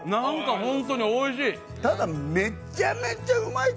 ホントにおいしい